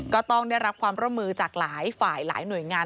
ก็ต้องได้รับความร่วมมือจากหลายฝ่ายหลายหน่วยงาน